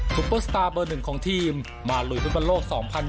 ซุปเปอร์สตาร์เบอร์หนึ่งของทีมมารุยเป็นบรรโลก๒๐๒๒